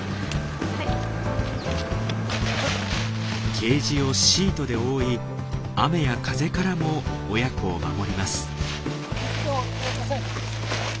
ケージをシートで覆い雨や風からも親子を守ります。